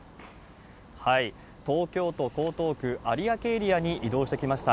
東京都江東区有明エリアに移動してきました。